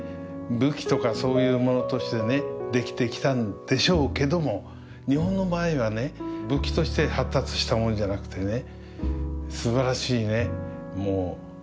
武器とかそういうものとしてね出来てきたんでしょうけども日本の場合はね武器として発達したものじゃなくてね